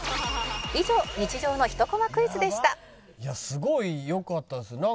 「以上日常のひとコマクイズでした」いやすごいよかったです。